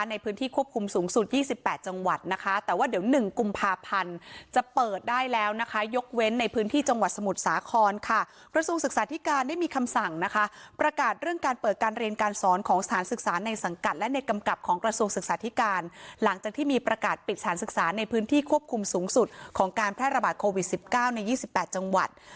ในพื้นที่ควบคุมสูงสุดของการแพร่ระบาดโควิด๑๙ใน๒๘จังหวัด